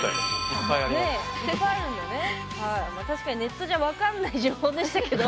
確かにネットじゃ分からない情報でしたけど。